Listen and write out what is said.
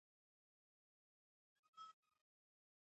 کعبه په منځ کې د مکعب په شکل ودانۍ ده.